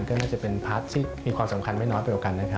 ก็น่าจะเป็นพาร์ทที่มีความสำคัญไม่น้อยไปกว่ากันนะครับ